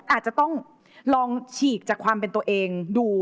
อาจจะต้องลองฉีกจากความเป็นตัวเองดู